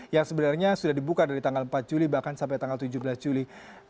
yang sebenarnya sudah dibuka dari tanggal empat juli bahkan sampai tanggal tujuh belas juli